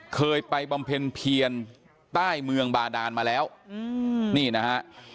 เคยไปบำเพ็ญเพียรใต้เมืองบาดานมาแล้วนี่นะฮะ